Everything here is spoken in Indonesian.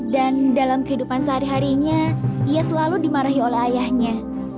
dan dalam kehidupan sehari harinya ia selalu dimarahi oleh ayahnya